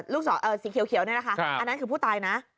สีเขียวนี่นะคะอันนั้นคือผู้ตายนะ